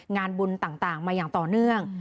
งานบุญต่างมาอย่างต่อเนื่อง